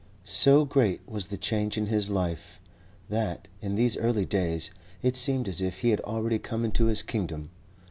So great was the change in his life that, in these early days, it seemed as if he had already come into his kingdom.